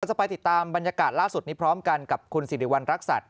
จะไปติดตามบรรยากาศล่าสุดนี้พร้อมกันกับคุณสิริวัณรักษัตริย